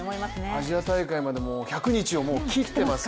アジア大会までもう１００日を切っています